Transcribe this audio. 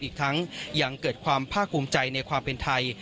อีกทั้งยังเกิดความภาคภูมิใจในความเป็นไทย